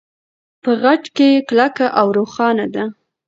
په خج کې کلکه او روښانه ده.